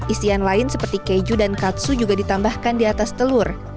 isian lain seperti keju dan katsu juga ditambahkan di atas telur